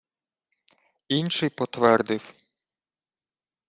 Інший потвердив: